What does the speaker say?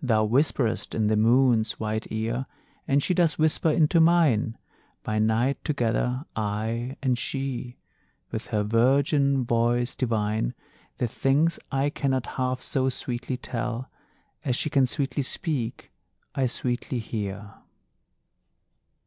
Thou whisperest in the Moon's white ear, And she does whisper into mine, By night together, I and she With her virgin voice divine, The things I cannot half so sweetly tell As she can sweetly speak, I sweetly hear.